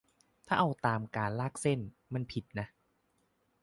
ถ้าเอาตามการลากเส้นเขียน มันผิดนะ